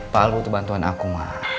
pak albu butuh bantuan aku ma